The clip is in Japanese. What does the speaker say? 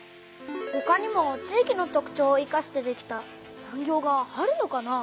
ほかにも地域の特ちょうをいかしてできた産業があるのかな？